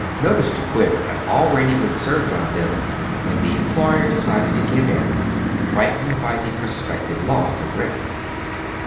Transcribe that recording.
Notice to quit had already been served on them, when the employer decided to give in, frightened by the prospective loss of rent.